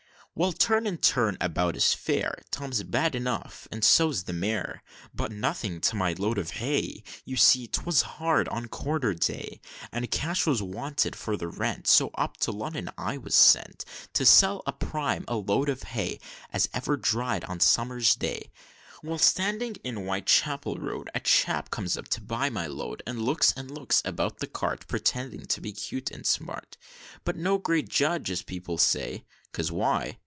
"Well, turn and turn about is fair: Tom's bad enough, and so's the mare; But nothing to my load of hay You see, 'twas hard on quarter day, And cash was wanted for the rent; So up to Lonnon I was sent, To sell as prime a load of hay, As ever dried on summer's day. "Well, standing in Whitechapel Road, A chap comes up to buy my load, And looks, and looks about the cart, Pretending to be 'cute and smart; But no great judge, as people say, 'Cause why?